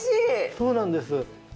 そうなんです。